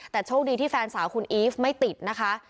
แต่โชคดีที่แฟนสาวคุณอีฟไม่ติดนะคะ